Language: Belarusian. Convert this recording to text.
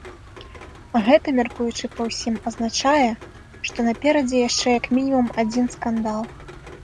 А гэта, мяркуючы па ўсім, азначае, што наперадзе яшчэ як мінімум адзін скандал.